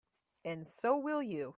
And so will you.